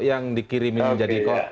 yang dikirimin jadi kok